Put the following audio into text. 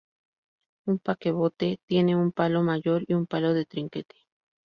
Un paquebote tiene un palo mayor y un palo de trinquete.